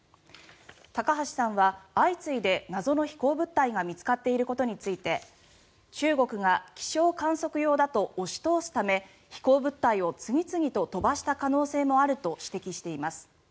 高橋さんは相次いで謎の飛行物体が見つかっていることについて中国が気象観測用だと押し通すため飛行物体を次々と飛ばした可能性もあると指摘しています。